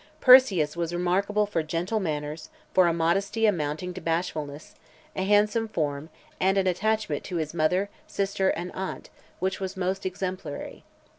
Persius was remarkable for gentle manners, for a modesty amounting to bashfulness, a handsome form, and an attachment to his mother, sister, and aunt, which was most exemplary.